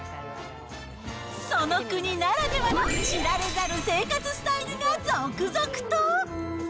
その国ならではの知られざる生活スタイルが続々と。